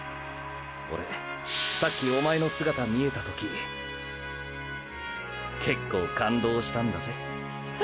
オレさっきおまえの姿見えた時けっこう感動したんだぜ。